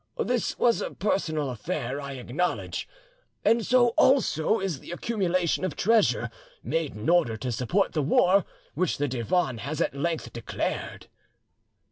This was a personal affair, I acknowledge, and so also is the accumulation of treasure made in order to support the war, which the Divan has at length declared."